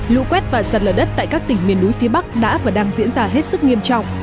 lũ quét và sạt lở đất tại các tỉnh miền núi phía bắc đã và đang diễn ra hết sức nghiêm trọng